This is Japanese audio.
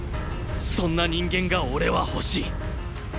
そんな人間が俺は欲しい。